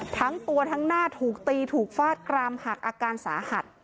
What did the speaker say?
ทั้งตัวทั้งหน้าถูกตีถูกฟาดกรามหักอาการสาหัส